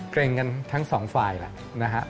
เกร็งกันทั้งสองฝ่ายแหละนะครับ